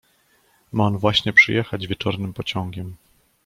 Ma on właśnie przyjechać wieczornym pociągiem.